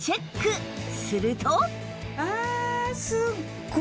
すると